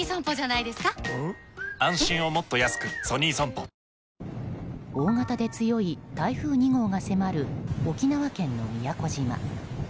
お化けフォーク⁉大型で強い台風２号が迫る沖縄県の宮古島。